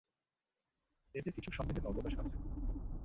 এতে কিছু সন্দেহের অবকাশ আছে।